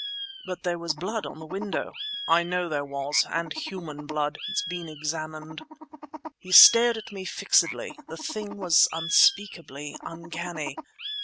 "But there was blood on the window!" "I know there was, and human blood. It's been examined!" He stared at me fixedly. The thing was unspeakably uncanny.